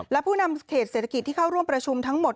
และผู้นำเขตเศรษฐกิจที่เข้าร่วมประชุมทั้งหมด